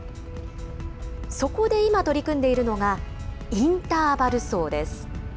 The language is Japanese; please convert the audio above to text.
そこで今取り組んでいるのが、インターバル走です。